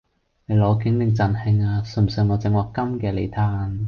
你攞景定贈慶啊？信唔信我整鑊金嘅你嘆！